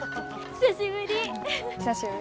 久しぶり。